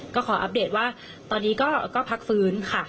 ก็ขออัปเดตว่าตอนนี้ก็พักฟื้นค่ะ